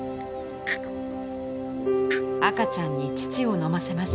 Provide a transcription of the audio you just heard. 赤ちゃんに乳を飲ませます。